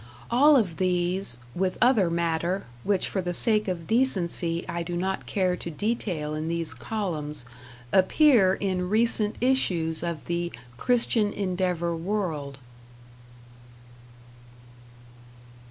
All of these, with other matter, which for the sake of decency I do not care to detail in these columns, appear in recent issues of the "Christian Endeavor World".